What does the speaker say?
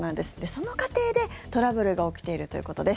その過程でトラブルが起きているということです。